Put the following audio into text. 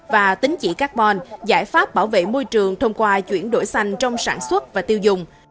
và tính chỉ carbon giải pháp bảo vệ môi trường thông qua chuyển đổi xanh trong sản xuất và tiêu dùng